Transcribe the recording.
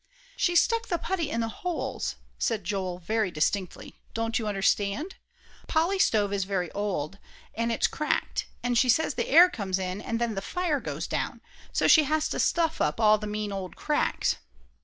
"She stuck the putty in the holes," said Joel, very distinctly; "don't you understand? Polly's stove is very old, and it's cracked, and she says the air comes in and then the fire goes down, so she has to stuff up all the mean old cracks.